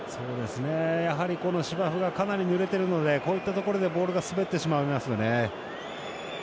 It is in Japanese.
やはり芝生がかなりぬれてるのでこういったところでボールが滑ってしまいますよね。